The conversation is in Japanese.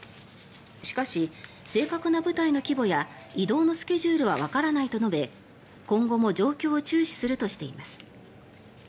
しかし、正確な部隊の規模や移動のスケジュールはわからないと述べ今後も状況を注視するとしています。